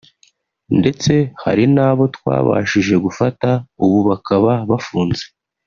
ndetse hari n’abo twabashije gufata ubu bakaba bafunze